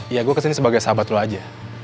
ya gue kesini sebagai sahabat lo aja